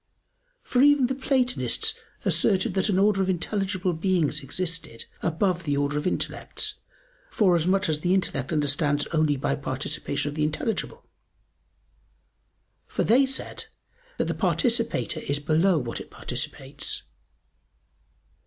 For even the Platonists asserted that an order of intelligible beings existed above the order of intellects, forasmuch as the intellect understands only by participation of the intelligible; for they said that the participator is below what it participates.